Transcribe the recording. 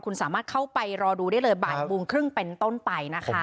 คุณสามารถเข้าไปรอดูได้เลยบ่ายโมงครึ่งเป็นต้นไปนะคะ